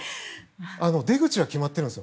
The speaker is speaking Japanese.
出口は決まってるんです。